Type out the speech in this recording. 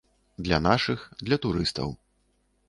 Для нашых, для турыстаў.